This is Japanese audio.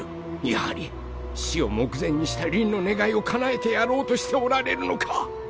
やはり死を目前にしたりんの願いを叶えてやろうとしておられるのか？